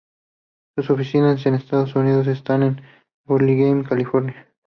Sus oficinas en Estados Unidos están en Burlingame, California.